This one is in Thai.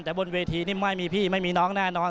แต่บนเวทีนี่ไม่มีพี่ไม่มีน้องแน่นอน